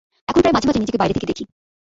এখন প্রায় মাঝে-মাঝে নিজেকে বাইরে থেকে দেখি।